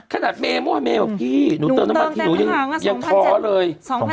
เมมั่วเมย์บอกพี่หนูเติมน้ำมันทีหนูยังท้อเลย